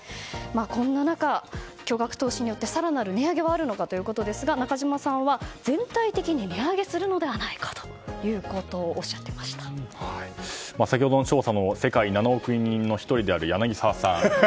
そんな中、巨額投資により更なる値上げがあるのかということですが中島さんは全体的に値上げるするのでは先ほどの調査の世界７億人の１人である柳澤さん。